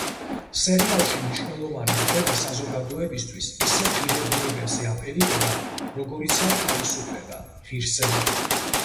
სერიალში მნიშვნელოვანი ხდება საზოგადოებისთვის ისეთ ღირებულებებზე აპელირება, როგორიცაა თავისუფლება, ღირსება.